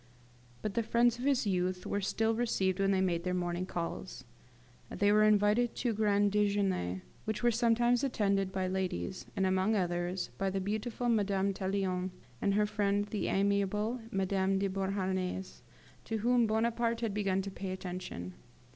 But the friends of his youth were still received when they made their morning calls. They were invited to grand dejeuners, which were sometimes attended by ladies; and, among others, by the beautiful Madame Tallien and her friend the amiable Madame de Beauharnais, to whom Bonaparte had begun to pay attention.